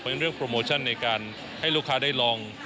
เป็นเรื่องโปรโมชั่นในการให้ลูกค้าได้ลอง